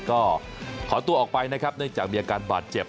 ก็ขอตัวออกไปนะครับเนื่องจากมีอาการบาดเจ็บ